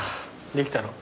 できたの？